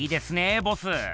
ボス。